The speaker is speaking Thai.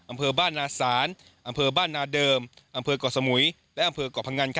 อำเภอบ้านนาศาลอำเภอบ้านนาเดิมอำเภอก่อสมุยและอำเภอก่อพงัน